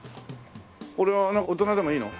これは大人でもいいの？